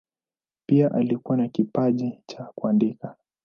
Pia alikuwa na kipaji cha kuandika.